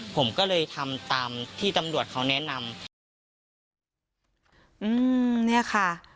ผมก็เลยทำตามที่ตำรวจเขาแนะนำอืมเนี้ยค่ะ